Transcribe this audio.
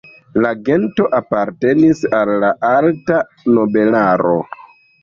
La gento apartenis al la alta nobelaro.